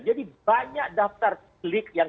jadi banyak daftar pilih yang